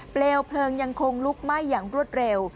เปลวเพลิงยังคงลุกไหม้อย่างรวดเร็ว